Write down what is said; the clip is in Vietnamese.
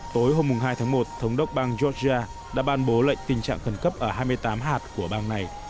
tối hôm hai tháng một thống đốc bang georgia đã ban bố lệnh tình trạng khẩn cấp ở hai mươi tám hạt của bang này